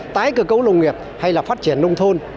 tái cơ cấu nông nghiệp hay là phát triển nông thôn